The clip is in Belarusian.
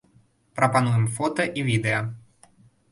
Прапануем фота і відэа.